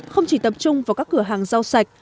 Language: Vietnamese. không chỉ tập trung vào các cửa hàng rau sạch